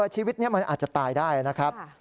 ชีวิตนี้มันอาจจะตายได้นะครับ